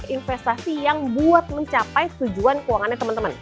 investasi yang buat mencapai tujuan keuangannya teman teman